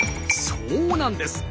そうなんです。